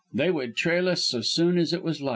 They would trail us so soon as it was light.